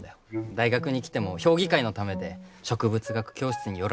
大学に来ても評議会のためで植物学教室に寄られないこともある。